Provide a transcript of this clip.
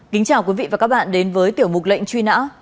kính chào quý vị và các bạn đến với tiểu mục lệnh truy nã